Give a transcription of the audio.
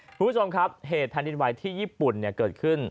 คุณผู้ชมครับเหตุแผ่นดินไหวที่ญี่ปุ่นเกิดขึ้น